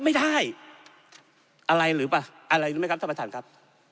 ไม่ได้อะไรหรือเปล่าอะไรรู้ไหมครับท่านประธานครับ